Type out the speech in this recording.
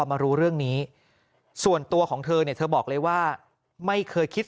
มารู้เรื่องนี้ส่วนตัวของเธอเนี่ยเธอบอกเลยว่าไม่เคยคิด